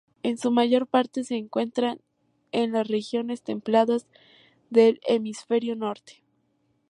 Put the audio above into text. En su mayor parte se encuentran en las regiones templadas del Hemisferio Norte.